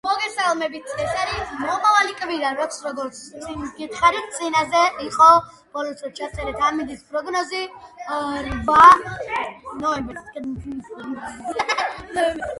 სოფლის მეურნეობაში დიდი ადგილი უჭირავს თევზჭერას, რომელიც საექსპორტო მოგების მეოთხედს წარმოადგენს.